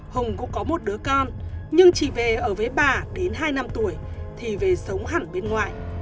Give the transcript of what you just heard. hùng cũng có một đứa con nhưng chỉ về ở với bà đến hai năm tuổi thì về sống hẳn bên ngoài